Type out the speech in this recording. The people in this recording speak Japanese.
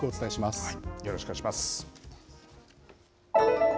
よろしくお願いします。